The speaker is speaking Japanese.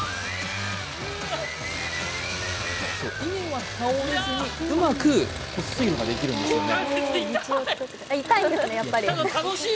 稲は倒れずにうまく水路ができるんですよね。